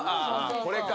これか。